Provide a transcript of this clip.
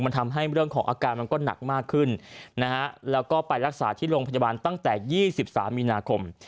มันทำให้เรื่องของอาการมันก็หนักมากขึ้นนะฮะแล้วก็ไปรักษาที่โรงพยาบาลตั้งแต่๒๓มีนาคม